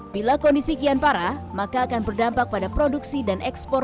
bila kondisi kian parah maka akan berdampak pada produksi dan ekspor